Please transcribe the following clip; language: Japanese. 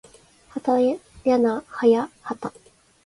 はたやなはやはた